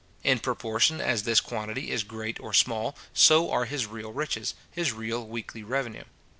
In proportion as this quantity is great or small, so are his real riches, his real weekly revenue.